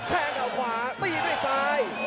แทงเขาขวาตีด้วยซ้าย